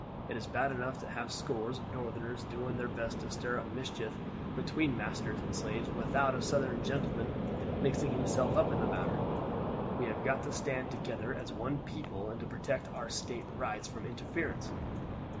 It is bad enough to have scores of Northerners doing their best to stir up mischief between masters and slaves without a Southern gentleman mixing himself up in the matter. We have got to stand together as one people and to protect our State rights from interference."